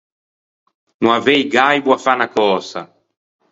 No avei gaibo à fâ unna cösa.